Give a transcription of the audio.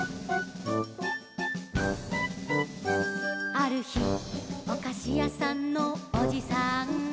「あるひおかしやさんのおじさんが」